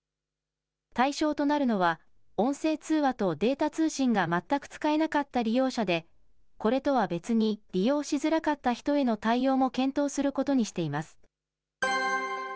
対象となるのは、音声通話とデータ通信が全く使えなかった利用者で、これとは別に利用しづらかった人への対応も検討することにしています。